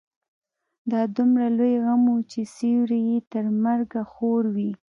دا دومره لوی غم و چې سيوری يې تر مرګه خور وي.